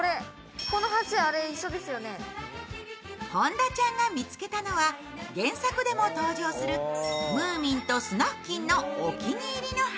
本田ちゃんが見つけたのは原作でも登場するムーミンとスナフキンのお気に入りの橋。